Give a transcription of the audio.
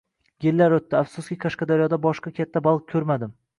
Yillar o’tdi, afsuski Qashqadaryoda boshqa katta baliq ko’rmadim